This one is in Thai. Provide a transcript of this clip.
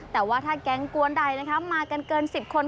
แต่ว่าถ้าแก๊งกวนใดมากันเกิน๑๐คน